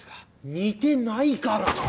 似てないから！